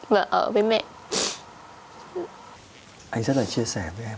là ở với mẹ anh rất là chia sẻ với em